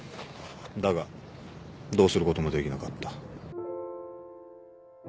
だがどうすることもできなかった。